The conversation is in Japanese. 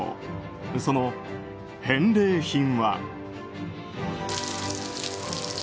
その返礼品は。